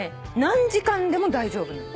何時間でも大丈夫なの。